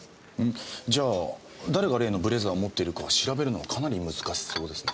じゃあ誰が例のブレザーを持っているか調べるのはかなり難しそうですね。